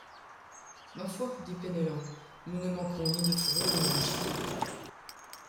Ma foi ! dit Penellan, nous ne manquerons ni de fourrures ni de gibier !